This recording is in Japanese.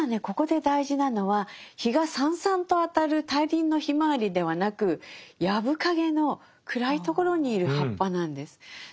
ここで大事なのは陽がさんさんと当たる大輪のひまわりではなく藪かげの暗いところにいる葉っぱなんです。